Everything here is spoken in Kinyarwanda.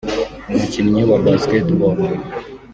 umukinnyi wa basketball